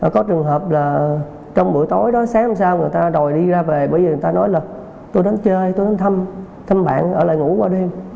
có trường hợp là trong buổi tối đó sáng hôm sau người ta đòi đi ra về bởi vì người ta nói là tôi đến chơi tôi đến thăm thăm bạn ở lại ngủ qua đêm